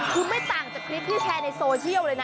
คือไม่ต่างจากคลิปที่แชร์ในโซเชียลเลยนะ